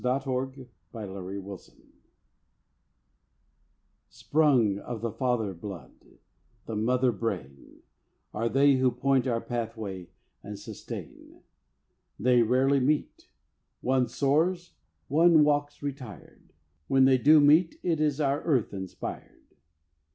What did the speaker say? FORESIGHT AND PATIENCE SPRUNG of the father blood, the mother brain, Are they who point our pathway and sustain. They rarely meet; one soars, one walks retired. When they do meet, it is our earth inspired.